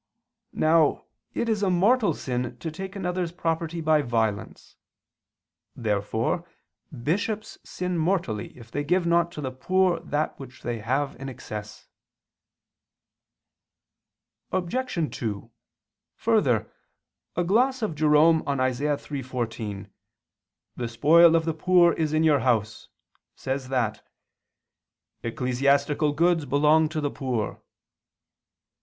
Now it is a mortal sin to take another's property by violence. Therefore bishops sin mortally if they give not to the poor that which they have in excess. Obj. 2: Further, a gloss of Jerome on Isa. 3:14, "The spoil of the poor is in your house," says that "ecclesiastical goods belong to the poor."